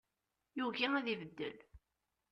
Yugi ad ibeddel.